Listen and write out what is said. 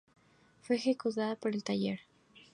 Fue ejecutada por el taller.